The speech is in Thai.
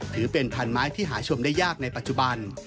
ถือเป็นพันไม้ที่หาชมได้ยากในปัจจุบัน